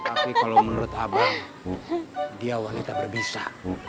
tapi kalau menurut abu dia wanita berbisa